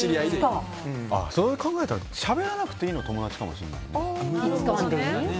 そう考えたらしゃべらなくてもいいの友達かもしれないね。